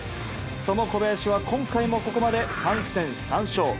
その小林は、今回もここまで３戦３勝。